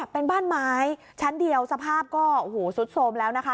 เป็นบ้านไม้ชั้นเดียวสภาพก็สุดโทรมแล้วนะคะ